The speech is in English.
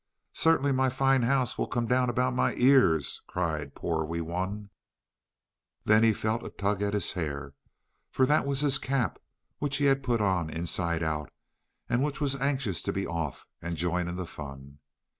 "Certainly my fine house will come down about my ears," cried poor Wee Wun. Then he felt a tug at his hair, and that was his cap, which he had put on inside out, and which was anxious to be off and join in the fun.